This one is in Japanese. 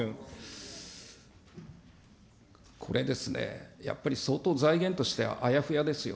これですね、やっぱり、相当財源としてはあやふやですよ。